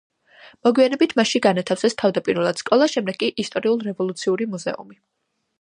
მოგვიანებით მასში განათავსეს თავდაპირველად სკოლა, შემდეგ კი ისტორიულ-რევოლუციური მუზეუმი.